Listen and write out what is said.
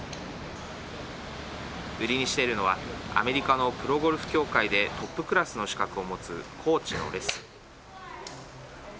売りにしているのはアメリカのプロゴルフ協会でトップクラスの資格を持つコーチのレッスン。